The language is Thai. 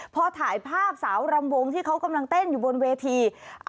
พอถ่ายภาพสาวรำวงที่เขากำลังเต้นอยู่บนเวที